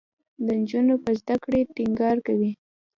د نجونو په زده کړه ټینګار کوي.